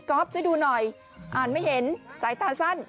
ช่วยดูหน่อยอ่านไม่เห็นสายตาสั้น